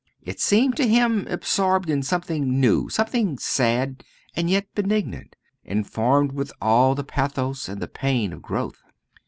It seemed to him absorbed in something new something sad and yet benignant, informed with all the pathos and the pain of growth.